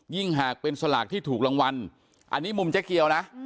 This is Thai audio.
หากเป็นสลากที่ถูกรางวัลอันนี้มุมเจ๊เกียวนะ